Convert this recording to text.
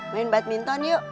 main badminton yuk